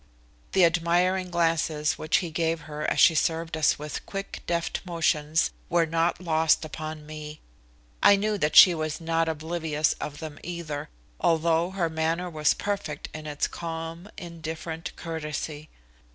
The admiring glances which he gave her as she served us with quick, deft motions were not lost upon me. I knew that she was not oblivious of them either, although her manner was perfect in its calm, indifferent courtesy.